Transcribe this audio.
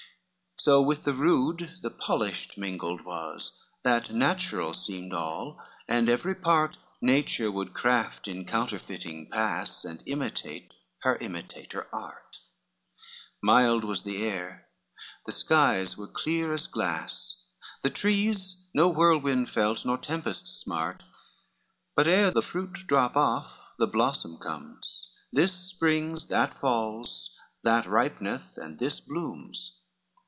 X So with the rude the polished mingled was That natural seemed all and every part, Nature would craft in counterfeiting pass, And imitate her imitator art: Mild was the air, the skies were clear as glass, The trees no whirlwind felt, nor tempest smart, But ere the fruit drop off, the blossom comes, This springs, that falls, that ripeneth and this blooms.